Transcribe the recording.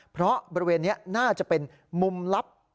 เพราะบริเวณนี้น่าจะเป็นมุมลับ